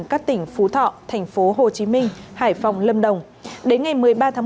các tỉnh phú thọ thành phố hồ chí minh hải phòng lâm đồng đến ngày một mươi ba tháng một mươi hai